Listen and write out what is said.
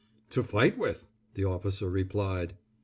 "To fight with," the officer replied.